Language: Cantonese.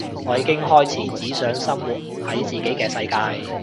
我已經開始只想生活喺自己嘅世界